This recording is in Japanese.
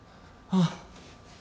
ああ